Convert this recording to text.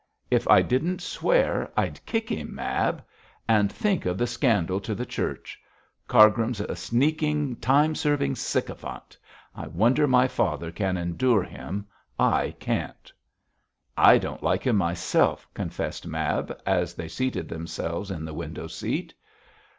'If I didn't swear I'd kick him, Mab; and think of the scandal to the Church. Cargrim's a sneaking, time serving sycophant. I wonder my father can endure him; I can't!' 'I don't like him myself,' confessed Mab, as they seated themselves in the window seat.